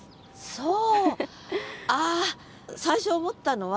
そう。